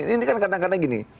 ini kan kadang kadang gini